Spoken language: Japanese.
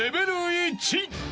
１］